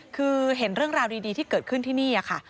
คือเห็นเรื่องราวดีที่เกิดขึ้นที่นี่ค่ะ